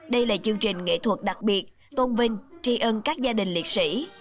đây là chương trình nghệ thuật đặc biệt tôn vinh tri ân các gia đình liệt sĩ